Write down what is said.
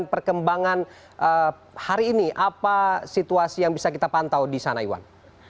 perkembangan hari ini apa situasi yang bisa kita pantau di sana iwan